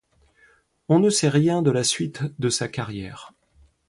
On ne sait rien de la suite de sa carrière.